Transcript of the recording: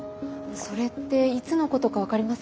それっていつのことか分かりますか？